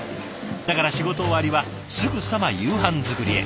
だから仕事終わりはすぐさま夕飯作りへ。